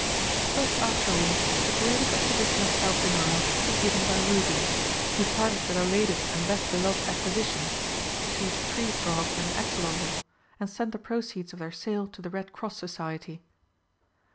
But, after all, the greatest exhibition of self denial was given by Ruby, who parted with her latest and best beloved acquisitions two tree frogs and an axolotl and sent the proceeds of their sale to the Red Cross Society.